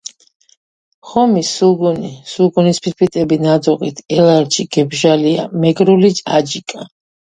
ღომი, სულგუნი, სულგუნის ფორფიტები ნადუღით, ელარჯი, გებჟალია, მეგრული აჯიკა.